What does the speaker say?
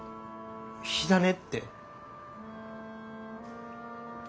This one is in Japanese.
火種って？